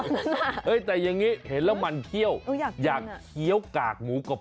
เฮ้ยแต่อย่างนี้เห็นแล้วมันเคี่ยวอยากเคี้ยวกากหมูกรอบ